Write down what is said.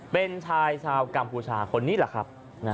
เป็นชายชาวกัมพูชาคนนี้แหละครับ